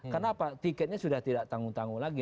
kenapa tiketnya sudah tidak tanggung tanggung lagi